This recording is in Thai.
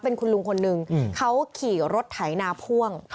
เป็นคุณลุงคนนึงเขาขี่รถไถนาพ่วง